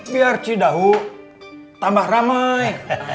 biar cidahu tambah ramai